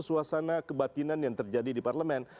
suasana kebatinan yang terjadi di parlemen